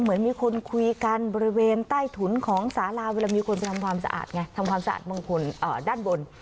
มีคนไปทำความสะอาดไงทำความสะอาดบางคนด้านบน